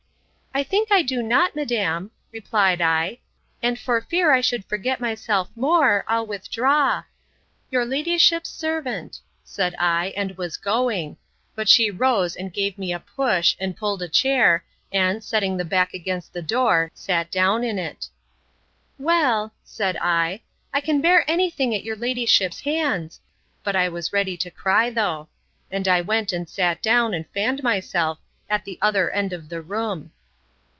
—I think I do not, madam, replied I: and for fear I should forget myself more, I'll withdraw. Your ladyship's servant, said I; and was going: but she rose, and gave me a push, and pulled a chair, and, setting the back against the door, sat down in it. Well, said I, I can bear anything at your ladyship's hands; but I was ready to cry though. And I went, and sat down, and fanned myself, at the other end of the room.